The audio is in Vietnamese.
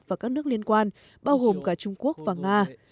và các nước liên quan bao gồm cả trung quốc và nga